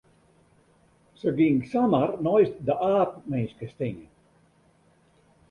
Se gyng samar neist de aapminske stean.